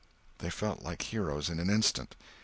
They felt like heroes in an instant.